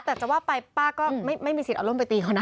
แต่จะว่าไปป้าก็ไม่มีสิทธิ์เอาร่มไปตีเขานะ